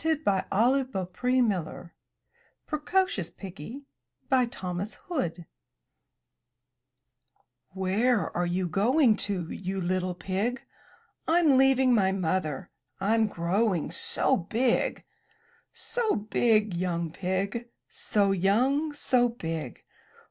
75 MY BOOK HOUSE PRECOCIOUS PIGGY Thomas Hood "Where are you going to, you little pig? 'Tm leaving my Mother, Fm growing so big!'* ''So big, young pig, So young, so big!